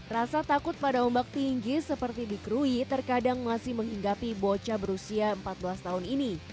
rasa takut pada ombak tinggi seperti di krui terkadang masih menghinggapi bocah berusia empat belas tahun ini